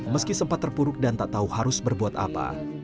meski sempat terpuruk dan tak tahu harus berbuat apa